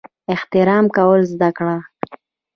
احترام کول زده کړه!